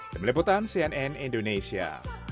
demi liputan cnn indonesia